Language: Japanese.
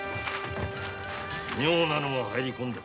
妙なのが入り込んだ。